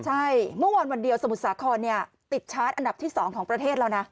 ใช่เมื่อวานวันเดียวสมุทรสาครติดชาร์จอันดับที่๒ของประเทศแล้วนะ